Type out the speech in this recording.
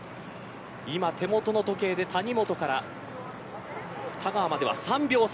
今、手元の時計で谷本から田川までは３秒差。